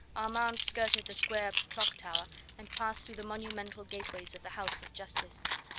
Armand skirted the square clock tower, and passed through the monumental gateways of the house of Justice.